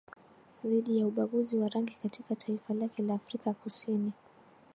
Dhidi ya ubaguzi wa rangi katika taifa lake la Afrika Kusini